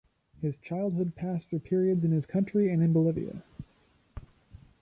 His childhood passed through periods in his country and in Bolivia.